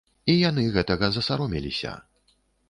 І яны гэтага засаромеліся!